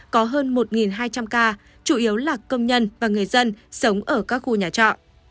có hơn một hai trăm linh ca chủ yếu là công nhân và người dân sống ở các khu nhà trọ